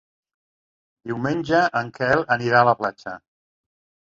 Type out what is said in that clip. Diumenge en Quel anirà a la platja.